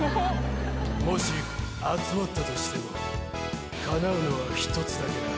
もし集まったとしてもかなうのは１つだけだ。